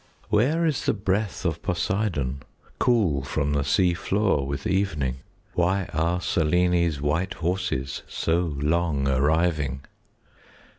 Where is the breath of Poseidon, Cool from the sea floor with evening? 10 Why are Selene's white horses So long arriving?